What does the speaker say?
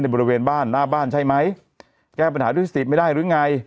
บริเวณบ้านหน้าบ้านใช่ไหมแก้ปัญหาด้วยสติไม่ได้หรือไง